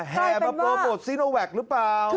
แฮร์รอบโปรตซิโนแวคหรือเปล่า